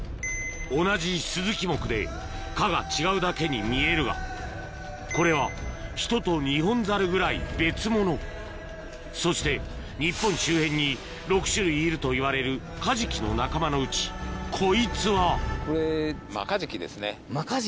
同じスズキ目で科が違うだけに見えるがこれはヒトとニホンザルぐらい別物そして日本周辺に６種類いるといわれるカジキの仲間のうちこいつはマカジキ？